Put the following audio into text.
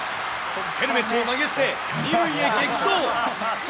ヘルメットを投げ捨て、２塁へ激走。